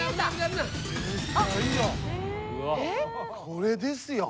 これですよ。